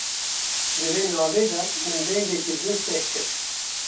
Di vê navê de min dengekî din seh kir.